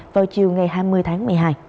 vào chiều ngày hai mươi tháng một mươi hai